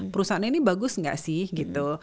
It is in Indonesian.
perusahaannya ini bagus gak sih gitu